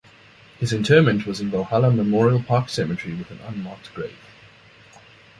His interment was in Valhalla Memorial Park Cemetery with an unmarked grave.